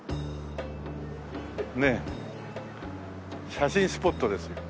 写真スポットですよ。